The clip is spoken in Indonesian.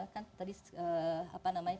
kan tadi apa namanya